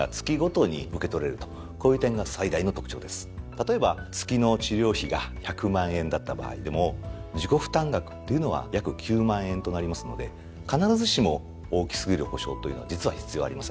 例えば月の治療費が１００万円だった場合でも自己負担額っていうのは約９万円となりますので必ずしも大き過ぎる保障というのは実は必要ありません。